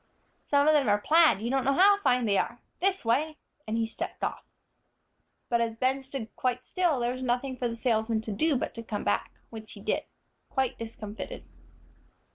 "Some of them are plaid; you don't know how fine they are. This way," and he stepped off. But as Ben stood quite still, there was nothing for the salesman to do but to come back, which he did, quite discomfited.